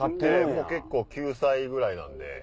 もう結構９歳ぐらいなんで。